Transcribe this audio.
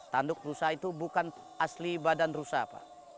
tanduk rusak itu bukan asli badan rusak